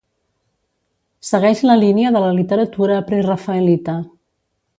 Segueix la línia de la literatura prerafaelita.